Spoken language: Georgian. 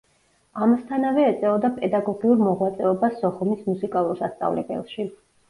ამასთანავე ეწეოდა პედაგოგიურ მოღვაწეობას სოხუმის მუსიკალურ სასწავლებელში.